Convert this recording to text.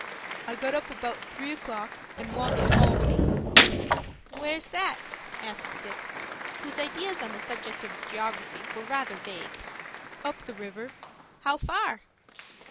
"I got up about three o'clock, and walked to Albany." "Where's that?" asked Dick, whose ideas on the subject of geography were rather vague. "Up the river." "How far?"